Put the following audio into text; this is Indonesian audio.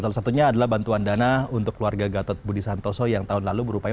salah satunya adalah bantuan dana untuk keluarga gatot budi santoso yang tahun lalu berupaya